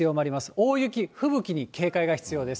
大雪、吹雪に警戒が必要です。